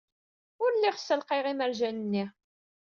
Ur lliɣ ssalqayeɣ imerjan-nni.